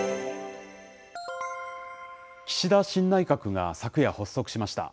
岸田新内閣が昨夜発足しました。